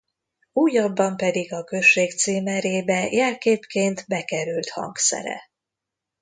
Újabban pedig a község címerébe jelképként bekerült hangszere.